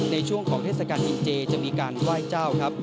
ในช่วงของเทศกาลกินเจจะมีการไหว้เจ้าครับ